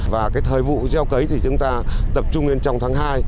và cái thời vụ gieo cấy thì chúng ta tập trung lên trong tháng hai